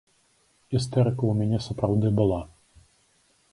Істэрыка ў мяне сапраўды была.